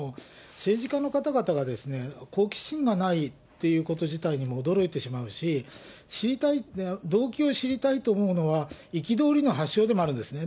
政治家の方々が好奇心がないっていうこと自体に驚いてしまうし、動機を知りたいと思うのは、憤りのはっしょうでもあるんですね。